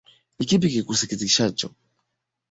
Ni kipi kikusikitishacho.